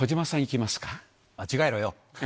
間違えろよ。